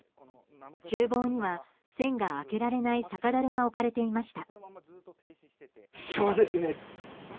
厨房には、栓が開けられない酒樽が置かれていました。